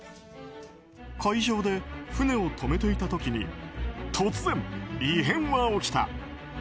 海上で船を止めていた時に突然、異変は起きた。